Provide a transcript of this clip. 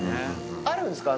あるんですか？